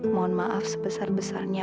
mohon maaf sebesar besarnya